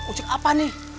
musik apa nih